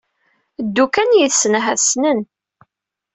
Ddu kan yid-sen ahat ssnen